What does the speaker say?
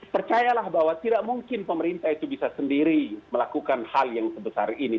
percayalah bahwa tidak mungkin pemerintah itu bisa sendiri melakukan hal yang sebesar ini